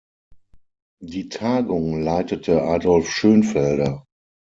Die Tagung leitete Adolph Schönfelder.